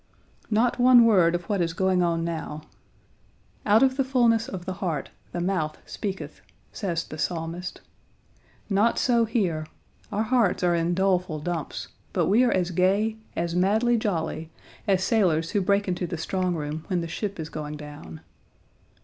Not one word of what is going on now. "Out of the fulness of the heart the mouth speaketh," says the Psalmist. Not so here. Our hearts are in doleful dumps, but we are as gay, as madly jolly, as sailors who break into the strong room when the ship is going down.